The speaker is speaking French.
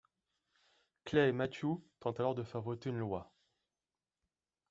Clay Mathews tente alors de faire voter une loi...